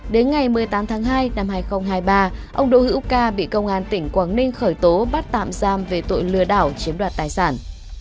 đến ngày một mươi tám tháng hai năm hai nghìn hai mươi ba ông đỗ hữu ca bị công an tỉnh quảng ninh khởi tố bắt tạm giam về tội lừa đảo chiếm đoạt tài sản